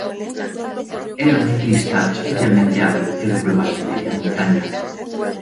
Era un ciclista especialmente hábil en pruebas de media montaña.